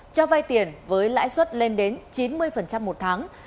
cho vay tiền với lãi suất lên đến chín mươi một tháng